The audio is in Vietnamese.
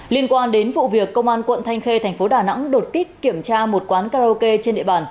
liên quan đến vụ việc công an quận thanh khê thành phố đà nẵng đột kích kiểm tra một quán karaoke trên địa bàn